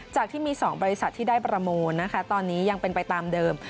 จากที่มี๒บริษัทที่ได้ประมูลนะคะตอนนี้ยังเป็นไปตามเดิม